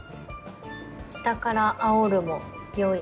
下からあおるもよい。